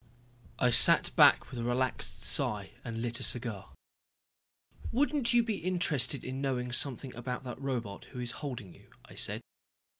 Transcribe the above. I sat back with a relaxed sigh and lit a cigar. "Wouldn't you be interested in knowing something about that robot who is holding you," I said.